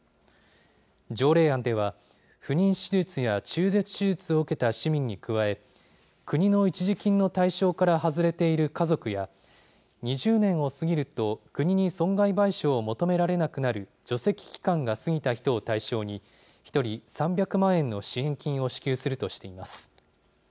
条例案では、不妊手術や中絶手術を受けた市民に加え、国の一時金の対象から外れている家族や、２０年を過ぎると国に損害賠償を求められなくなる除斥期間が過ぎた人を対象に、１人３００万円の支援金を支給するとしています。